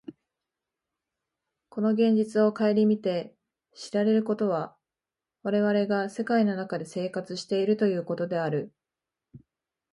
この現実を顧みて知られることは、我々が世界の中で生活しているということである。